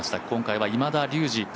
今回は今田竜二